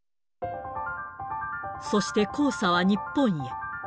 そして、黄砂は日本へ。